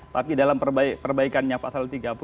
tapi dalam perbaikannya pasal tiga puluh empat saya